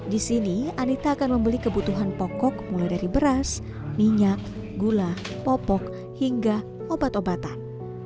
di sini anita akan membeli kebutuhan pokok mulai dari beras minyak gula popok hingga obat obatan